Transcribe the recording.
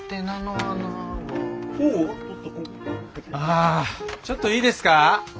あちょっといいですか？